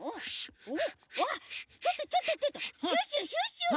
わっちょっとちょっとちょっとシュッシュシュッシュ。